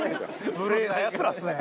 無礼なヤツらっすね。